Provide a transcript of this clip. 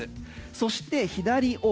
そして左奥